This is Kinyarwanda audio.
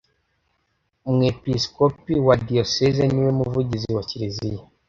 Umwepiskopi wa Diyoseze niwe Muvugizi wa kiliziya